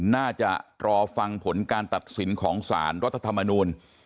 น่าจะรอฟังผลการตัดสินของสารรัฐธรรมนูล